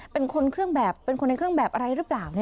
เป็นคนเครื่องแบบเป็นคนในเครื่องแบบอะไรหรือเปล่า